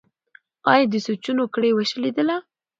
ایا د سوچونو کړۍ وشلیدله؟